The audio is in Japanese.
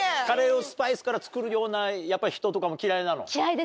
カレーをスパイスから作るような人とかも嫌いなの？